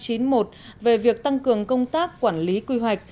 chủ vừa có công điện ba trăm chín mươi một về việc tăng cường công tác quản lý quy hoạch